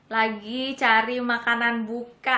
lagi cari makanan buka